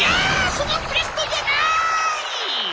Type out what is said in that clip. そのブレストじゃない！」。